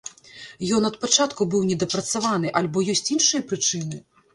Ён ад пачатку быў недапрацаваны, альбо ёсць іншыя прычыны?